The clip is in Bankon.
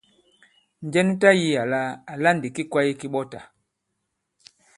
Njɛ nu tayī àlà àla ndì ki kwāye ki ɓɔtà?